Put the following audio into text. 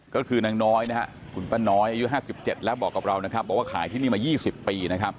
ก็คือนางน้อยอายุ๕๗แล้วบอกกับเราว่าขายที่นี่มา๒๐ปี